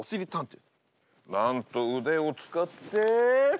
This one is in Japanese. なんと腕を使って。